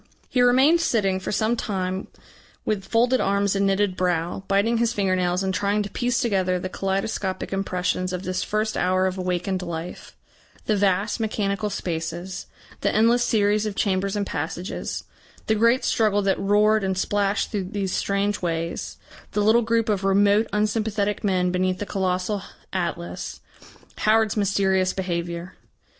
He remained sitting for some time with folded arms and knitted brow, biting his finger nails and trying to piece together the kaleidoscopic impressions of this first hour of awakened life; the vast mechanical spaces, the endless series of chambers and passages, the great struggle that roared and splashed through these strange ways, the little group of remote unsympathetic men beneath the colossal Atlas, Howard's mysterious behaviour.